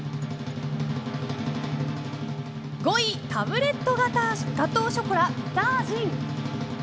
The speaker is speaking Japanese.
５位、タブレットガトーショコラビタージン。